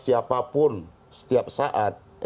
siapapun setiap saat